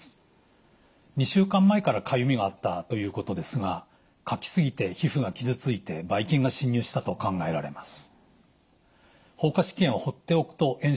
２週間前からかゆみがあったということですがかき過ぎて皮膚が傷ついてばい菌が侵入したと考えられます。